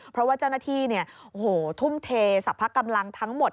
เพราะว่าเจ้าหน้าที่ทุ่มเทสรรพกำลังทั้งหมด